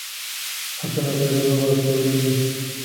اسونه باید روغ او پیاوړي وي.